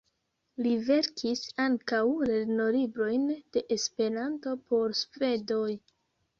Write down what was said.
Li verkis ankaŭ lernolibrojn de Esperanto por svedoj.